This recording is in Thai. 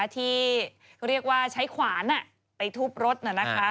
ที่เรียกว่าใช้ขวานไปทุบรถ